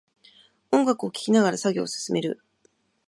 音楽を聴きながら作業を進める